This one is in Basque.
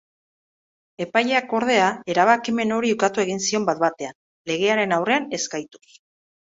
Epaileak ordea, erabakimen hori ukatu egin zion bat batean legearen aurrean ez-gaituz.